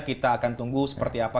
kita akan tunggu seperti apa